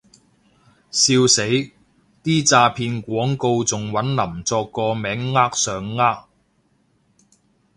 笑死，啲詐騙廣告仲搵林作個名呃上呃